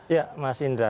ya mas indra